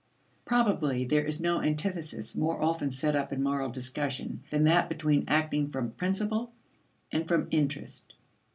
Probably there is no antithesis more often set up in moral discussion than that between acting from "principle" and from "interest."